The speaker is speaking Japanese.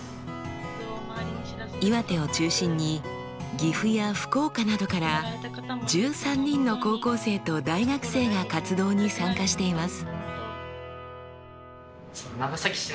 岩手を中心に岐阜や福岡などから１３人の高校生と大学生が活動に参加しています。